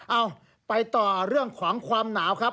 เอาไปต่อเรื่องของความหนาวครับ